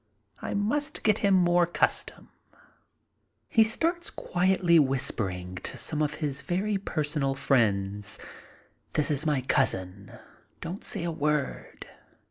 I must get him more custom. He starts quietly whispering to some of his very personal friends: "This is my cousin. Don't say a word."